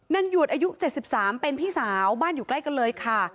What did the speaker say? หยวดอายุ๗๓เป็นพี่สาวบ้านอยู่ใกล้กันเลยค่ะ